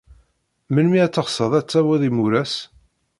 Melmi ay teɣsed ad tawid imuras?